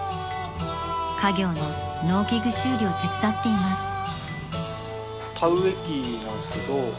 ［家業の農機具修理を手伝っています］